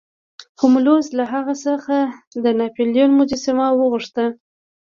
هولمز له هغه څخه د ناپلیون مجسمه وغوښته.